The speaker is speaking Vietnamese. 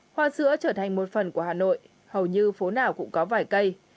hoa sữa trở thành một phần của hà nội hầu như phố nào cũng có vài cây